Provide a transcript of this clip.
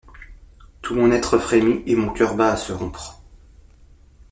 Tout mon être frémit, et mon cœur bat à se rompre!